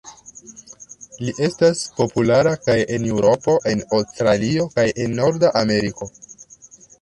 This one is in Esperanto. Li estas populara kaj en Eŭropo, en Aŭstralio kaj en Norda Ameriko.